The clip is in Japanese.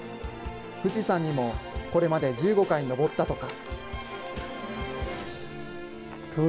富士山にもこれまで１５回登ったとか。